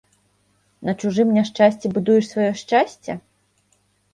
На чужым няшчасці будуеш сваё шчасце?